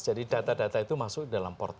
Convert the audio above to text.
jadi data data itu masuk dalam